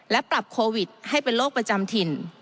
และปรับโควิดให้เป็นโรคประจำถิ่น